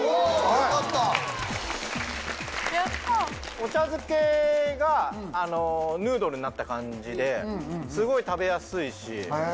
お茶漬けがヌードルになった感じですごい食べやすいし。